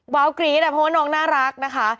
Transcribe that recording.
กรี๊ดเพราะว่าน้องน่ารักนะคะ